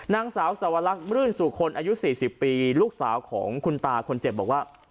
นางสาวสวรรคมรื่นสู่คนอายุ๔๐ปีลูกสาวของคุณตาคนเจ็บบอกว่า